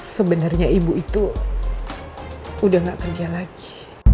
sebenarnya ibu itu udah gak kerja lagi